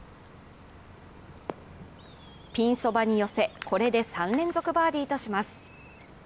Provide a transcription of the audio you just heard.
ピンそばに寄せ、これで３連続バーディーとします。